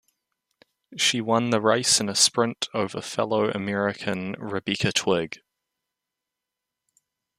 She won the race in a sprint over fellow American Rebecca Twigg.